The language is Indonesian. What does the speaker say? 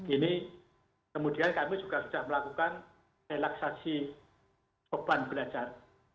ini kemudian kami juga sudah melakukan relaksasi beban belajar